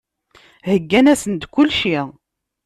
Heyyan-asen-d kulci.